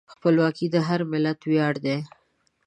خپلواکي د هر ملت ویاړ دی.